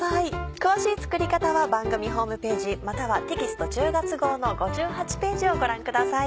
詳しい作り方は番組ホームページまたはテキスト１０月号の５８ページをご覧ください。